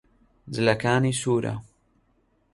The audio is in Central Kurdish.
جلەکانی سوورە.